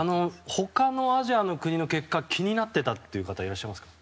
他のアジアの国の結果気になってたって方いらっしゃいますか？